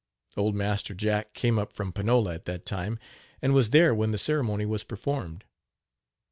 Old Master Jack came up from Panola at that time, and was there when the ceremony was performed.